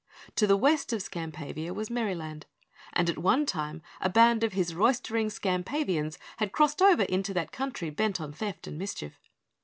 To the west of Skampavia was Merryland and at one time a band of his roistering Skampavians had crossed over into that country bent on theft and mischief.